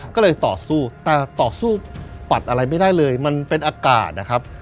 ก็เลยต่อสู้แต่ต่อสู้ปัดอะไรไม่ได้เลยมันเป็นอากาศนะครับ